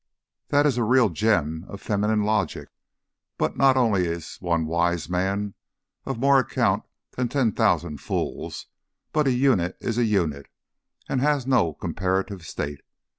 "That is a real gem of feminine logic, but not only is one wise man of more account than ten thousand fools, but a unit is a unit and has no comparative state.